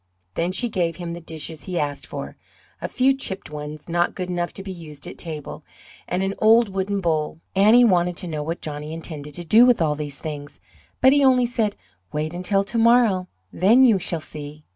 Then she gave him the dishes he asked for a few chipped ones not good enough to be used at table and an old wooden bowl. Annie wanted to know what Johnny intended to do with all these things, but he only said: "Wait until to morrow, then you shall see."